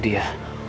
udah lah yono sabar